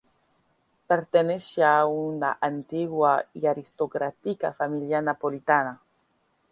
Pertenecía a una antigua y aristocrática familia napolitana.